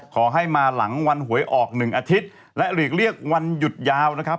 ขอให้มาหลังวันหวยออก๑อาทิตย์และหลีกเลี่ยงวันหยุดยาวนะครับ